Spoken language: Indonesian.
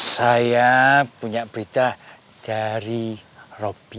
saya punya berita dari rob pi